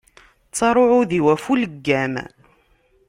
Ttaṛ uɛudiw ɣef uleggam.